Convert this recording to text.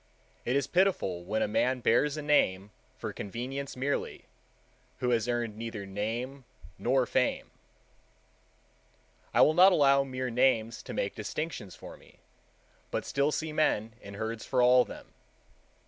It is pitiful when a man bears a name for convenience merely, who has earned neither name nor fame. I will not allow mere names to make distinctions for me, but still see men in herds for all them.